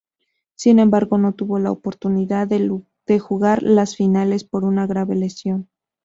Sin embargo, no tuvo la oportunidad de jugar las finales por una grave lesión.